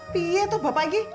piyek tuh bapak ini